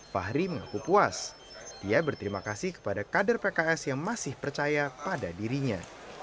fahri mengaku puas dia berterima kasih kepada kader pks yang masih percaya pada dirinya